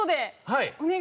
はい！